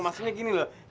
maksudnya gini loh